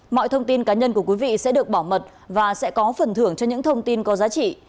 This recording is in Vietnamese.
mọi thông tin cá nhân của quý vị sẽ được bảo mật và sẽ có phần thưởng cho những thông tin có giá trị